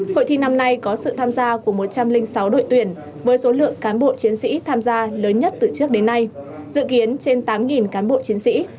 hội thi năm nay có sự tham gia của một trăm linh sáu đội tuyển với số lượng cán bộ chiến sĩ tham gia lớn nhất từ trước đến nay dự kiến trên tám cán bộ chiến sĩ